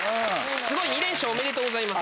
２連勝おめでとうございます。